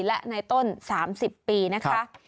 และในต้น๓๐ปีนะคะ